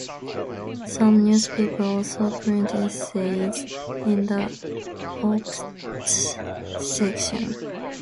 Some newspapers also print essays in the op-ed section.